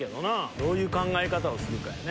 どういう考え方をするかやね。